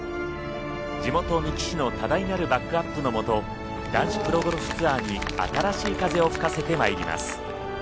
地元・三木市の多大なるバックアップのもと男子プロゴルフツアーに新しい風を吹かせてまいります。